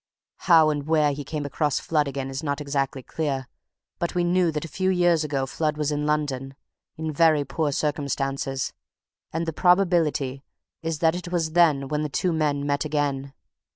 How and where he came across Flood again is not exactly clear, but we knew that a few years ago Flood was in London, in very poor circumstances, and the probability is that it was then when the two men met again.